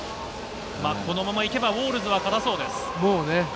このままいけば、ウォールズは堅もうね、